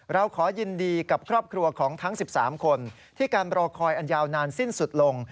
เราขอยินดีกับครอบครัวของทั้ง๑๓คนที่การรอคอยอันยาวนานสิ้นสุดลง